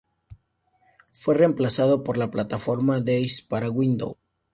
Fue remplazado por la plataforma Daesh para Windows.